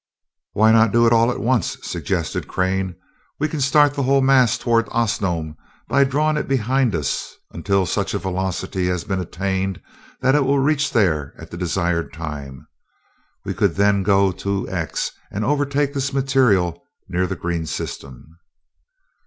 "Why not do it all at once?" suggested Crane. "We can start that whole mass toward Osnome by drawing it behind us until such a velocity has been attained that it will reach there at the desired time. We could then go to 'X,' and overtake this material near the green system."